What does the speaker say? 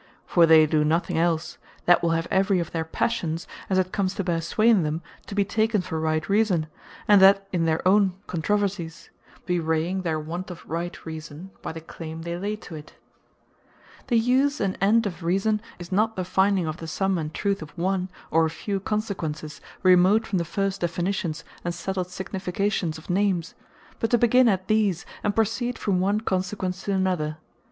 For they do nothing els, that will have every of their passions, as it comes to bear sway in them, to be taken for right Reason, and that in their own controversies: bewraying their want of right Reason, by the claym they lay to it. The Use Of Reason The Use and End of Reason, is not the finding of the summe, and truth of one, or a few consequences, remote from the first definitions, and settled significations of names; but to begin at these; and proceed from one consequence to another.